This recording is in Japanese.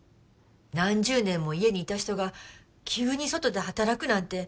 何十年も家にいた人が急に外で働くなんて。